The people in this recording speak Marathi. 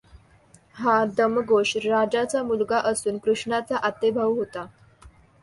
हा दमघोष राजाचा मुलगा असून कृष्णाचा आतेभाऊ होता.